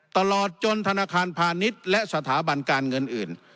ตลอดจนธนาคารพาณิชย์และสถาบันการเงินอื่น